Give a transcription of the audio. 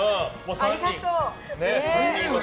ありがとう。